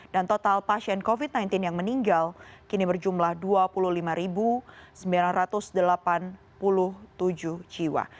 dan total pasien covid sembilan belas yang meninggal kini berjumlah dua puluh lima sembilan ratus delapan puluh tujuh jiwa